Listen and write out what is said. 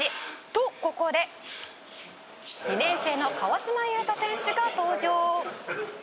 「とここで２年生の川島悠翔選手が登場」